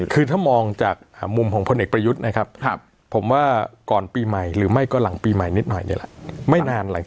คือถ้ามองจากมุมของพลเอกประยุทธ์นะครับผมว่าก่อนปีใหม่หรือไม่ก็หลังปีใหม่นิดหน่อยนี่แหละไม่นาน